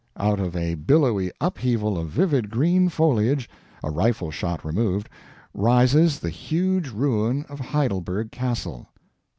Out of a billowy upheaval of vivid green foliage, a rifle shot removed, rises the huge ruin of Heidelberg Castle, [2.